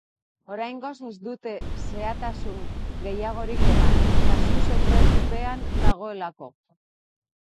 Oraingoz ez dute xehetasun gehiagorik eman, kasu sekretupean dagoelako.